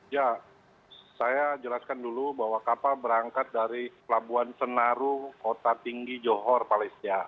ya saya jelaskan dulu bahwa kapal berangkat dari pelabuhan senaru kota tinggi johor malaysia